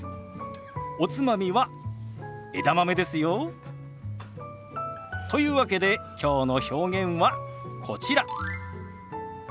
おつまみは枝豆ですよ。というわけできょうの表現はこちら。